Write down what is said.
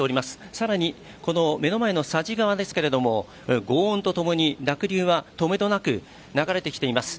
更に、目の前の佐治川ですけども、轟音と共に濁流は止めどなく流れてきています。